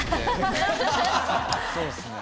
そうですね。